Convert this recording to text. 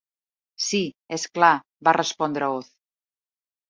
"Sí, és clar" va respondre Oz.